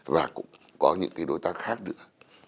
và cũng có những cái đối tác khác nữa